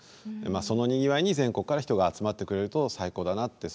まあその賑わいに全国から人が集まってくれると最高だなって。